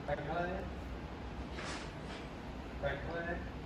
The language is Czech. Dřívější odstrašující účinek jaderného zbrojení je tedy mimo hru.